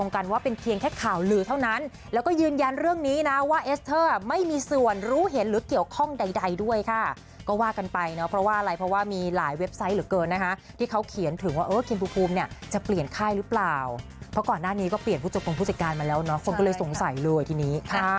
เขียนถึงว่าเออเคียนภูมิเนี่ยจะเปลี่ยนค่ายหรือเปล่าเพราะก่อนหน้านี้ก็เปลี่ยนผู้จบตรงผู้จัดการมาแล้วเนาะคนก็เลยสงสัยเลยทีนี้ครับ